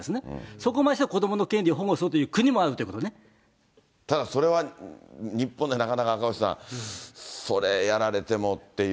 そこまでして子どもの権利を保護するという国もあるっていうことただ、それは日本ではなかなか赤星さん、それやられてもっていう。